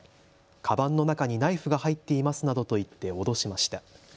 かばんの中にナイフが入っていますなどと言って脅しました。